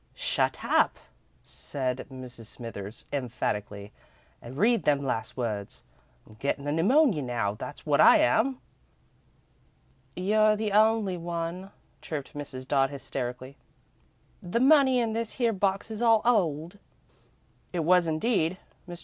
"Shut up," said Mrs. Smithers, emphatically, "and read them last words. I'm gettin' the pneumony now, that's wot I am." "You're the only one," chirped Mrs. Dodd, hysterically. "The money in this here box is all old." It was, indeed. Mr.